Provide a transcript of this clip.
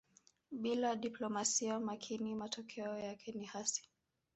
Bila diplomasia makini matokeo yake ni hasi